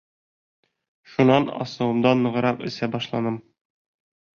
Шунан асыуымдан нығыраҡ эсә башланым.